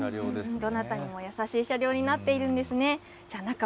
どなたにも優しい車両になっているんですね。